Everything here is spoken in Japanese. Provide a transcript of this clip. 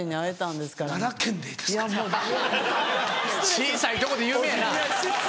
小さいとこで有名やな。